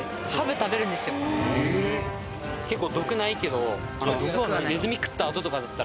結構。